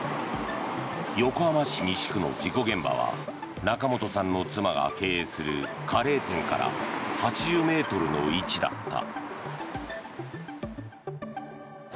横浜市西区の事故現場は仲本さんの妻が経営するカレー店から８０ｍの位置だった。